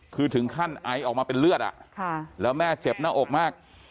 คือถึงขั้นไอออกมาเป็นเลือดแล้วแม่เจ็บหน้าอกมาก